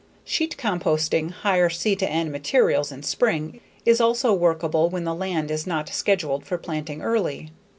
Sheet composting higher C/N materials in spring is also workable where the land is not scheduled for planting early.